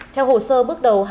theo hồ sơ bước đầu